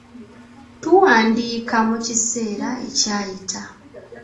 Tuwandiika mu kiseera ekyayita.